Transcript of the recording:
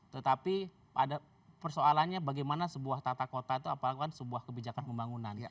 tetapi ada persoalannya bagaimana sebuah tata kota itu apalagi sebuah kebijakan pembangunan